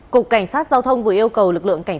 cục cảnh sát giao thông vừa yêu cầu